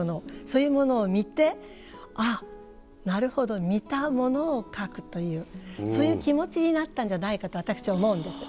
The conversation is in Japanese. そういうものを見てあっなるほど見たものを描くというそういう気持ちになったんじゃないかと私思うんです。